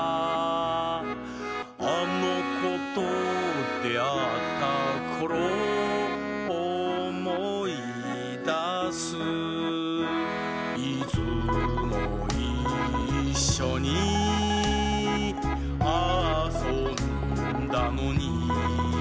「あのことであったころおもいだす」「いつもいっしょに」「あそんだのに」